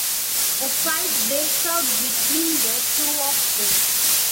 A fight breaks out between the two of them.